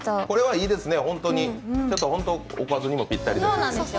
これはいいですね、おかずにもぴったりで。